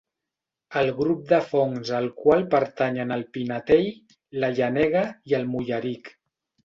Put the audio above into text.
El grup de fongs al qual pertanyen el pinetell, la llenega i el molleric.